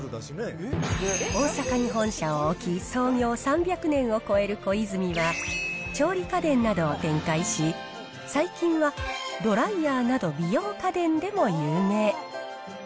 大阪に本社を置き、創業３００年を超えるコイズミは、調理家電などを展開し、最近はドライヤーなど美容家電でも有名。